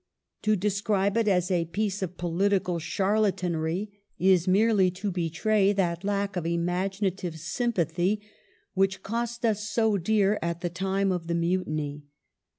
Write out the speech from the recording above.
To describe it as a piece of political charlatanry is merely to betray that lack of imaginative sympathy which cost us so dear at the time of the Mutiny.